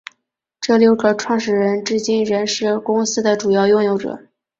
这六个创始人至今仍是公司的主要拥有者。